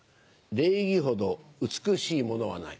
「礼儀ほど美しいものはない」。